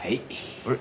あれ？